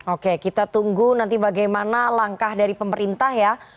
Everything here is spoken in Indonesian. oke kita tunggu nanti bagaimana langkah dari pemerintah ya